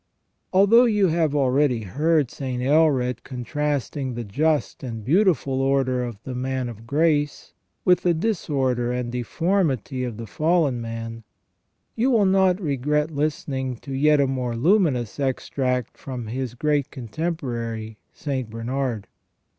Although you have already heard St. Aelred contrasting the just and beautiful order of the man of grace with the disorder and deformity of the fallen man, you will not regret listening to a yet more luminous extract from his great contemporary St. Bernard.